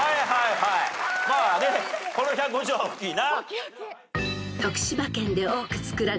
まあねこの１５０はおっきいな。